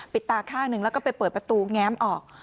ตาข้างหนึ่งแล้วก็ไปเปิดประตูแง้มออก